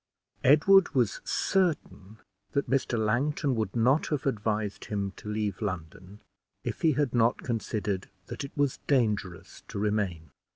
Edward was certain that Mr. Langton would not have advised him to leave London if he had not considered that it was dangerous to remain.